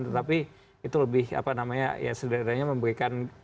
tetapi itu lebih apa namanya ya sederhananya memberikan